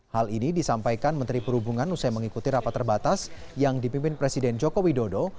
hal ini disampaikan menteri perhubungan usai mengikuti rapat terbatas yang dipimpin presiden joko widodo